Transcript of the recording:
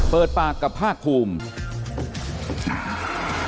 เปิดปากกับภาคภูมิ